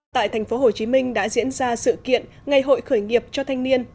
tại tp hcm đã diễn ra sự kiện ngày hội khởi nghiệp cho thanh niên